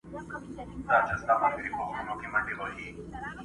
ځان بېغمه کړه د رېګ له زحمتونو.!